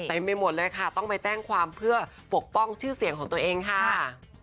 ไปหมดเลยค่ะต้องไปแจ้งความเพื่อปกป้องชื่อเสียงของตัวเองค่ะ